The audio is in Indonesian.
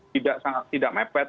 tidak sangat tidak mepet